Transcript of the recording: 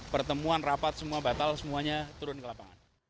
pertemuan rapat semua batal semuanya turun ke lapangan